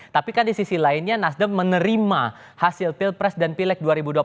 tapi kan di sisi lainnya nasdem menerima hasil pilpres dan pileg dua ribu dua puluh